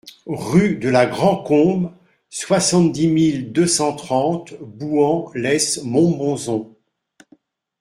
Rue de la Grand Combe, soixante-dix mille deux cent trente Bouhans-lès-Montbozon